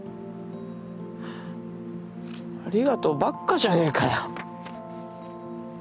「ありがとう」ばっかじゃねえかよ。